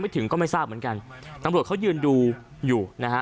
ถึงก็ไม่ทราบเหมือนกันตำรวจเขายืนดูอยู่นะฮะ